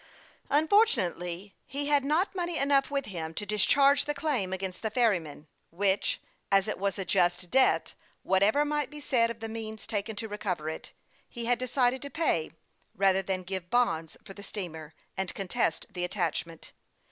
Unfortunately he had not money enough with him to discharge the claim against the ferryman, which, as it was a just debt, whatever might be said of the means taken to recover it, he had decided to pay, rather than give bonds for the steamer, and contest the attachment.